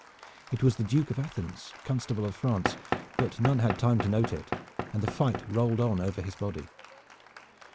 It was the Duke of Athens, Constable of France, but none had time to note it, and the fight rolled on over his body.